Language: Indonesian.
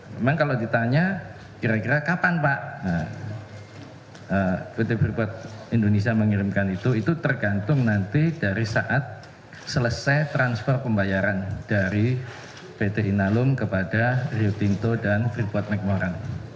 memang kalau ditanya kira kira kapan pak pt freeport indonesia mengirimkan itu itu tergantung nanti dari saat selesai transfer pembayaran dari pt inalum kepada rio tinto dan freeport mcmoran